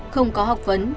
không có học vấn